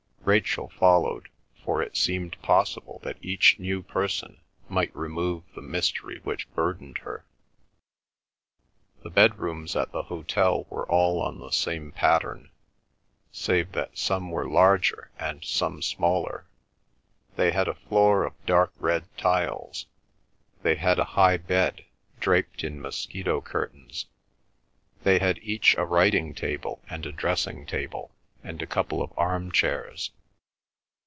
Rachel followed, for it seemed possible that each new person might remove the mystery which burdened her. The bedrooms at the hotel were all on the same pattern, save that some were larger and some smaller; they had a floor of dark red tiles; they had a high bed, draped in mosquito curtains; they had each a writing table and a dressing table, and a couple of arm chairs.